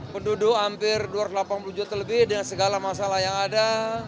penduduk hampir dua ratus delapan puluh juta lebih dengan segala masalah yang ada